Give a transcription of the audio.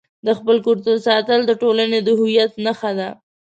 د خپل کلتور ساتل د ټولنې د هویت نښه ده.